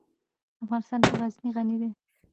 افغانستان په غزني غني دی.